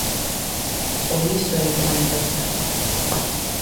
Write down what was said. Ou iso é o que manifesta.